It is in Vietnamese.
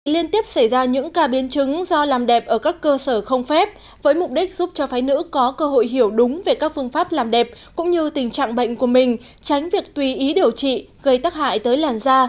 liên tiếp xảy ra những ca biến chứng do làm đẹp ở các cơ sở không phép với mục đích giúp cho phái nữ có cơ hội hiểu đúng về các phương pháp làm đẹp cũng như tình trạng bệnh của mình tránh việc tùy ý điều trị gây tắc hại tới làn da